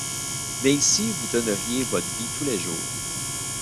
Mais ici vous donneriez votre vie tous les jours!